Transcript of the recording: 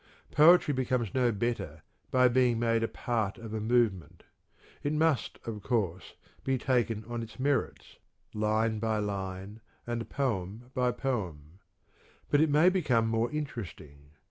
Poetry becomes no better by being made a part of a movement. It must, of course, be taken on its merits line by line and poem by poem. But it may become more interesting.